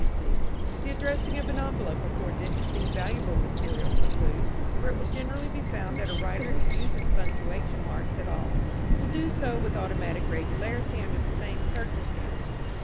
C., W.C. The addressing of an envelope affords interesting and valuable material for clues, for it will generally be found that a writer who uses punctuation marks at all will do so with automatic regularity under the same circumstances.